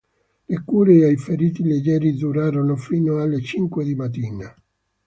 Le cure ai feriti leggeri durarono fino alle cinque di mattina.